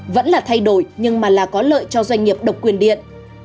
vẫn là thay đổi nhưng mà là có lợi cho doanh nghiệp độc quyền điện